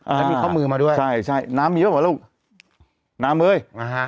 แล้วมีข้อมือมาด้วยใช่ใช่น้ำมีหรือเปล่าลูกน้ำเอ้ยนะฮะ